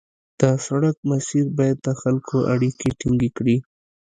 د سړک مسیر باید د خلکو اړیکې ټینګې کړي